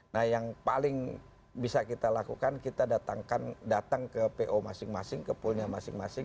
nah yang paling bisa kita lakukan kita datangkan datang ke po masing masing ke poolnya masing masing